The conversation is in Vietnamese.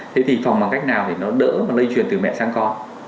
thế thì phòng bằng cách nào để nó đỡ lây chuyển từ mẹ sang con